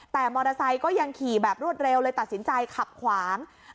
แต่มอเตอร์ไซค์ก็ยังขี่แบบรวดเร็วเลยตัดสินใจขับขวาง